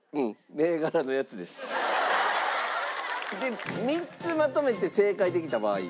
更に３つまとめて正解できた人には